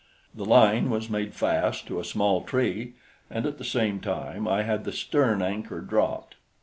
The line was made fast to a small tree, and at the same time I had the stern anchor dropped.